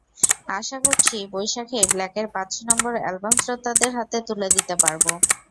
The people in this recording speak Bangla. আশা করছি, বৈশাখেই ব্ল্যাকের পাঁচ নম্বর অ্যালবাম শ্রোতাদের হাতে তুলে দিতে পারব।